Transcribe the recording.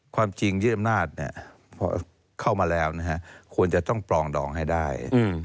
ความจริงยึดอำนาจพอเข้ามาแล้วควรจะต้องปรองดองให้ได้